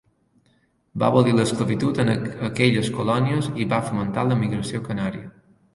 Va abolir l'esclavitud en aquelles colònies i va fomentar l'emigració canària.